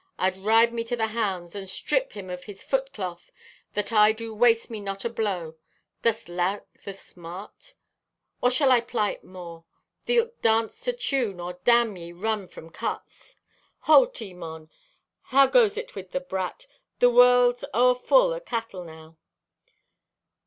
I'd ride me to the hounds. And strip him of his foot cloth, that I do waste me not a blow. Dost like the smart? Or shall I ply it more? Thee'lt dance to tune, or damn ye, run from cuts! "Ho, Timon, how goes it with the brat? The world's o'erfull o' cattle now!"